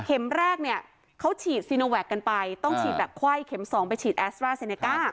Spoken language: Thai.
แรกเนี่ยเขาฉีดซีโนแวคกันไปต้องฉีดแบบไข้เข็ม๒ไปฉีดแอสตราเซเนก้า